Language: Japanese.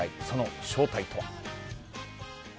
その正体とは。